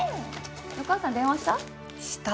お母さんに電話した？